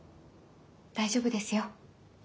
大丈夫ですよ。